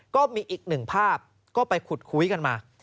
ก็มีอีกหนึ่งภาพก็ไปขุดคุยกันมา